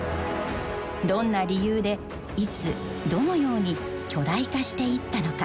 どんな理由でいつどのように巨大化していったのか？